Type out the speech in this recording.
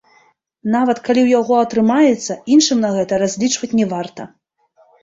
Нават калі ў яго атрымаецца, іншым на гэта разлічваць не варта.